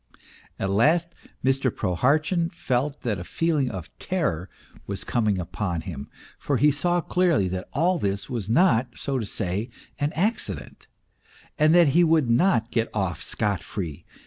At last Mr. Prohart chin felt that a feeling of terror was coming upon him ; for he saw clearly that all this was not, so to say, an accident, and that he would not get off scot free.